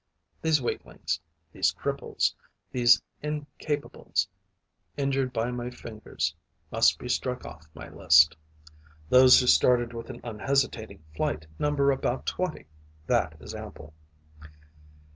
These weaklings, these cripples, these incapables injured by my fingers must be struck off my list. Those who started with an unhesitating flight number about twenty. That is ample.